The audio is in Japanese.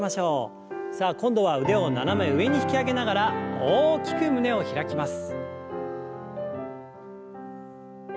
さあ今度は腕を斜め上に引き上げながら大きく胸を開きます。